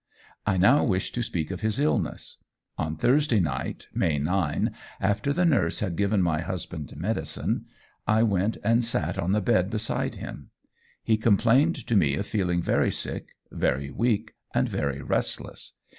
I now wish to speak of his illness. On Thursday night, May 9, after the nurse had given my husband medicine, I went and sat on the bed beside him. He complained to me of feeling very sick, very weak, and very restless.